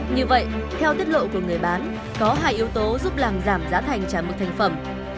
như vậy theo tiết lộ của người bán có hai yếu tố giúp làm giảm giá thành trả một thành phẩm